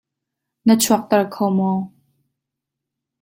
Na chuakter kho maw?